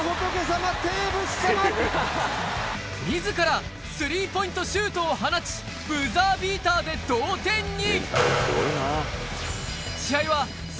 自ら３ポイントシュートを放ちブザービーターで同点に！